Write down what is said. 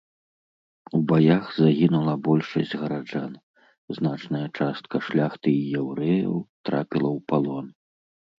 У баях загінула большасць гараджан, значная частка шляхты і яўрэяў трапіла ў палон.